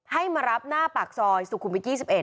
ให้มารับหน้าปากซอยสุขุมวิท๒๑